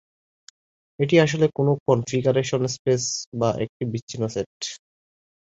এটি আসলে কোনো কনফিগারেশন স্পেস বা একটি বিচ্ছিন্ন সেট।